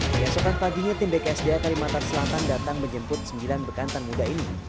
keesokan paginya tim bksda kalimantan selatan datang menjemput sembilan bekantan muda ini